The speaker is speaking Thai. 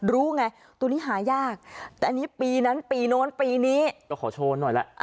รู้ไงตัวนี้หายากแต่อันนี้ปีนั้นปีโน้นปีนี้ก็ขอโชว์หน่อยละ